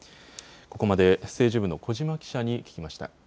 ここまで政治部の小嶋記者に聞きました。